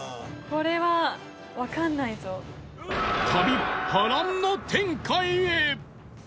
旅は波乱の展開へ！